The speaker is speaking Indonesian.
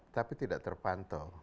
tapi tidak terpantau